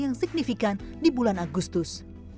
yang signifikan di bulan agustus